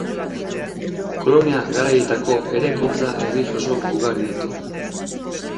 Kolonia-garaietako eraikuntza erlijioso ugari ditu.